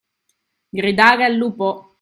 Gridare al lupo.